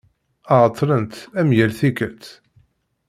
Ԑeṭṭlent, am yal tikelt.